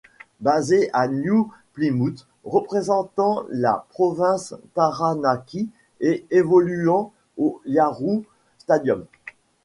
Basée à New Plymouth, représentant la province Taranaki et évoluant au Yarrow's Stadium.